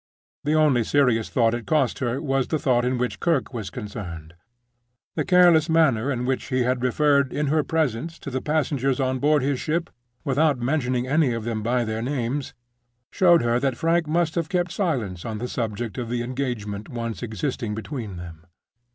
The only serious thought it cost her was a thought in which Kirke was concerned. The careless manner in which he had referred in her presence to the passengers on board his ship, without mentioning any of them by their names, showed her that Frank must have kept silence on the subject of the engagement once existing between them.